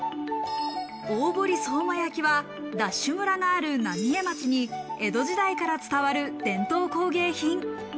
大堀相馬焼はＤＡＳＨ村がある浪江町に江戸時代から伝わる伝統工芸品。